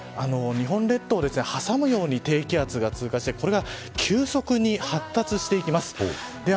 天気図で見ていくと日本列島を挟むように低気圧が通過してこれが急速に発達していきます。